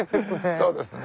そうですね。